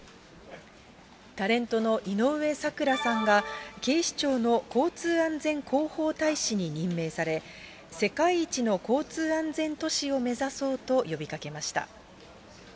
タレントの井上咲楽さんが、警視庁の交通安全広報大使に任命され、世界一の交通安全都市を目指そうと呼びかけました。